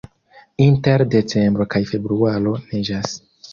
Inter decembro kaj februaro neĝas.